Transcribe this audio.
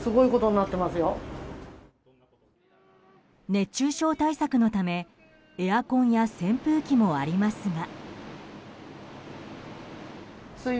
熱中症対策のためエアコンや扇風機もありますが。